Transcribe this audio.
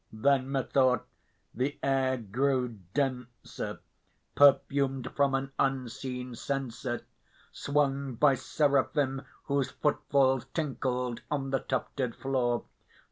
Then methought the air grew denser, perfumed from an unseen censer Swung by Seraphim whose footfalls tinkled on the tufted floor.